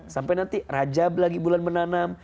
sampai nanti rajab lagi bulan menanam